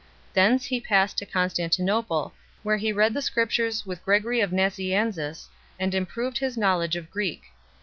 Thence he passed to Constantinople, where he read the Scriptures with Gregory of Nazianzus and improved his knowledge of Greek 5